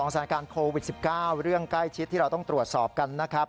สถานการณ์โควิด๑๙เรื่องใกล้ชิดที่เราต้องตรวจสอบกันนะครับ